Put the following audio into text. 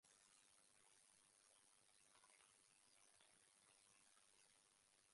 In alternate versions, he had a father, Erebus.